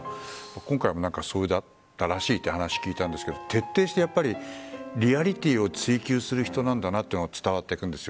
今回もそうだったらしいという話を聞いたんですが徹底してリアリティーを追求する人なんだというのが伝わってくるんです。